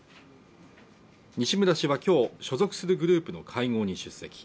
西村氏は今日、所属するグループの会合に出席。